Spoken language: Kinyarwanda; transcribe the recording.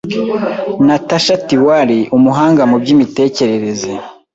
Natasha Tiwari umuhanga mu by'imitekerereze